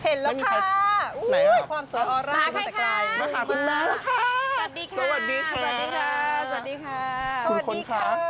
เห็นหรอกคะโอ้โอ้ไม่ไห่มาพันไปก่อน